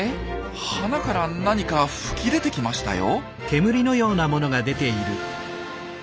花から何か吹き出てきましたよ。